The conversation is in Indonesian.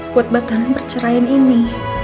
buat batalan perceraian ini